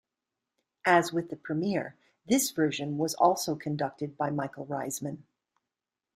As with the premiere, this version was also conducted by Michael Riesman.